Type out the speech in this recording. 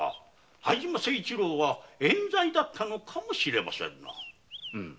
配島誠一郎は冤罪だったかもしれませんな。